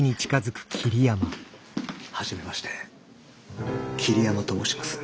はじめまして桐山と申します。